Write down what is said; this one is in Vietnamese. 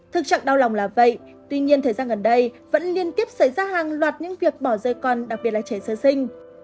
thực trạng đau lòng là vậy tuy nhiên thời gian gần đây vẫn liên tiếp xảy ra hàng loạt những việc bỏ rơi con đặc biệt là trẻ sơ sinh